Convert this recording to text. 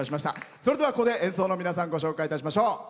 それでは、ここで演奏の皆さんご紹介いたしましょう。